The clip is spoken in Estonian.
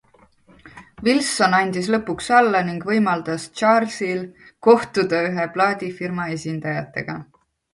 Wilson andis lõpuks alla ning võimaldas Charlesil kohtuda ühe plaadifirma esindajatega.